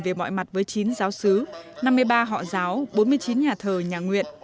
về mọi mặt với chín giáo sứ năm mươi ba họ giáo bốn mươi chín nhà thờ nhà nguyện